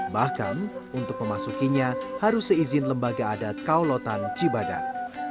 bahkan untuk memasukinya harus seizin lembaga adat kaulotan cibadak